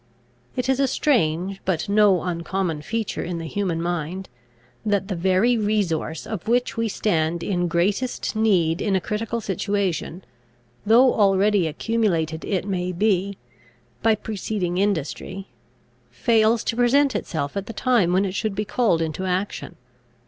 It is a strange, but no uncommon feature in the human mind, that the very resource of which we stand in greatest need in a critical situation, though already accumulated, it may be, by preceding industry, fails to present itself at the time when it should be called into action.